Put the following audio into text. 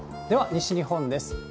では、西日本です。